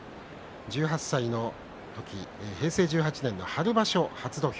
１８歳の時、平成１８年春場所初土俵。